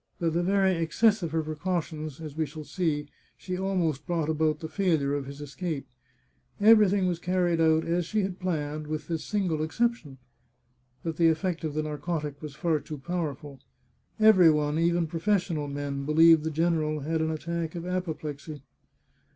By the very excess of her precautions, as we shall see, she almost brought about the failure of his escape. Everything was carried out as she had planned, with this single exception — that the effect of the narcotic was far too powerful. Every one, even professional men, believed the general had an attack of apoplexy.